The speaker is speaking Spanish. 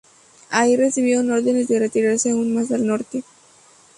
Ahí recibieron órdenes de retirarse aún más al norte.